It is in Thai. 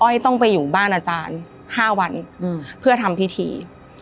ต้องไปอยู่บ้านอาจารย์๕วันเพื่อทำพิธี